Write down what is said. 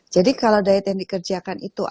jadi kalau diet yang dikerjakan itu